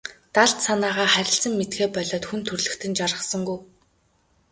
Далд санаагаа харилцан мэдэхээ болиод хүн төрөлхтөн жаргасангүй.